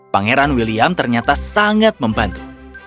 pangeran william ternyata sangat membantu